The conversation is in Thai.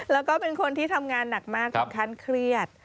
แล้วก็เป็นคนที่ทำงานหนักมากถึงขั้นเครียด